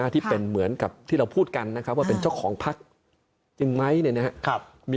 ที่เป็นเหมือนกับที่เราพูดกันว่าเป็นเจ้าของพรรคจริงไหม